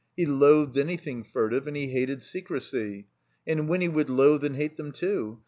He loathed anjrthing furtive, and he hated secrecy. And Winny would loathe and hate them, too.